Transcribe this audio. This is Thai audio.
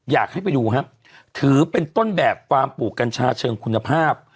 อยากให้ไปดูฮะถือเป็นต้นแบบฟาร์มปลูกกัญชาเชิงคุณภาพ